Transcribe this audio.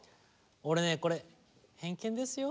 俺ねこれ偏見ですよ？